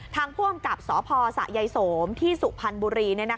ทางผู้อำกับสพสะยายโสมที่สุพรรณบุรี